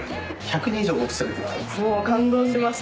１００人以上僕連れてきてます。